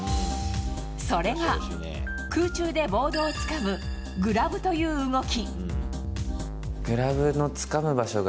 それが、空中でボードをつかむグラブという動き。